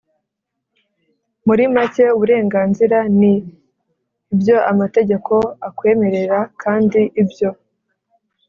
muri make, uburenganzira ni ibyo amategeko akwemerera. kandi ibyo